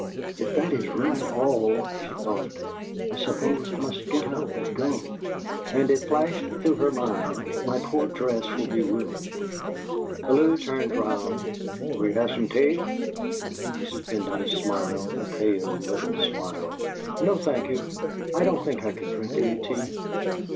'.f that is really all,' she thought, 'I suppose I must get up and go!' And it flashed through her mind: 'My poor dress will be ruined!' Bellew turned round. "Will you have some tea?" Mrs. Pendyce smiled a pale little smile. "No, thank you; I don't think I could drink any tea."